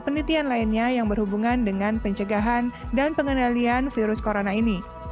penelitian lainnya yang berhubungan dengan pencegahan dan pengendalian virus corona ini